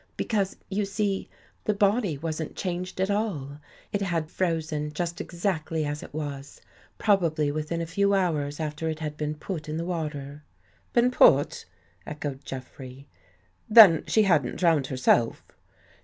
Because, you see, the body wasn't changed at all. It had frozen juit exactly as it was, probably within a few hours after it had been put in the water." " Been put! " echoed Jeffrey. '' Then she hadn't drowned herself?